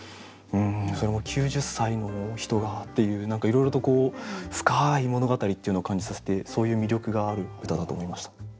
それも９０歳の人がっていう何かいろいろと深い物語っていうのを感じさせてそういう魅力がある歌だと思いました。